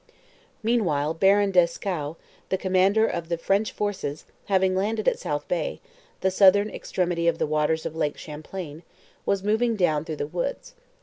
Meanwhile Baron Dieskau, the commander of the French forces, having landed at South Bay, the southern extremity of the waters of Lake Champlain, was moving down through the woods.